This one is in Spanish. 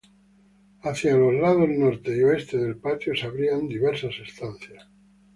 Hacia los lados norte y oeste del patio se abrían diversas estancias.